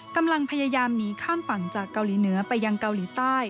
กำลังพยายามหนีข้ามฝั่งจากเกาหลีเหนือไปยังเกาหลีใต้